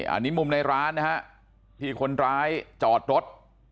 อันนี้มุมในร้านนะฮะที่คนร้ายจอดรถ